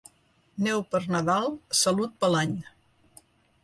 Neu per Nadal, salut per l'any.